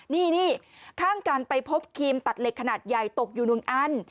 นี่ข้างกันไปพบครีมตัดเหล็กขนาดใหญ่ตกอยู่๑อัน